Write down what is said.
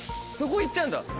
そこ行っちゃうんだ。